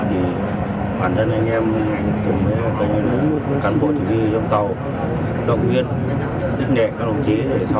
thì bản thân anh em cũng có những cán bộ thí nghi trong tàu đồng yên đích nghệ các đồng chí